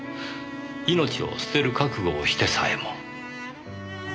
命を捨てる覚悟をしてさえも。